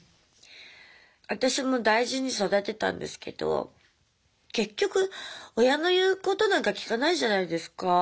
私も大事に育てたんですけど結局親の言うことなんか聞かないじゃないですか。